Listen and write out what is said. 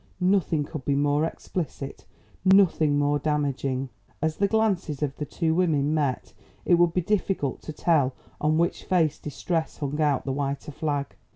Nothing could be more explicit nothing more damaging. As the glances of the two women met, it would be difficult to tell on which face Distress hung out the whiter flag.